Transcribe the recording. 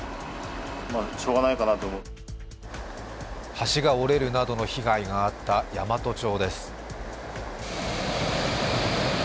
橋が折れるなどの被害があった山都町です。